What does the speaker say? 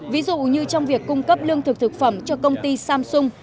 ví dụ như trong việc cung cấp lương thực thực phẩm cho công ty samsung